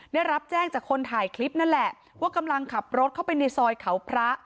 ได้รับแจ้งจากคนถ่ายคลิปนั่นแหละว่ากำลังขับรถเข้าไปในซอยเขาพระ